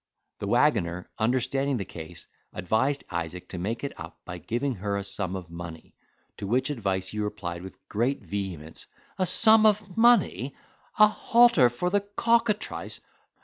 The waggoner, understanding the case, advised Isaac to make it up, by giving her a sum of money: to which advice he replied with great vehemence, "A sum of money!—a halter for the cockatrice!"